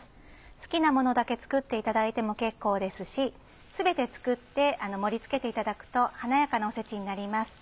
好きなものだけ作っていただいても結構ですし全て作って盛り付けていただくと華やかなおせちになります。